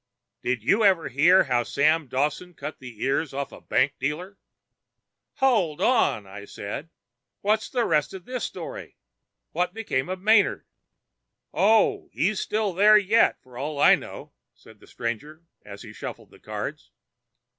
"Did you ever hear how Dawson Sam cut the ears off a bank dealer?" "Hold on!" said I. "What's the rest of this story? What became of Manard?" "Oh, he's there yet, for all I know," said the stranger as he shuffled the cards.